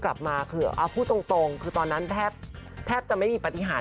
และในตอนนั้นแกนับถือพ่อแก